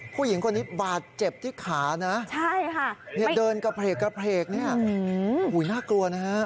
ผู้หญิงคนนี้บาดเจ็บที่ขานะเดินกระเพลกเนี่ยน่ากลัวนะฮะ